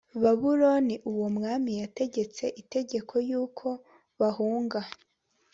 babuloni uwo mwami yategetse itegeko yuko bahunga